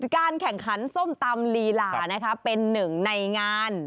การแข่งขันส้มตำลีลานะคะเป็นหนึ่งในงาน